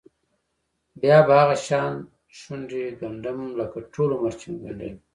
بیا به هغه شان شونډې ګنډم لکه ټول عمر چې مې ګنډلې.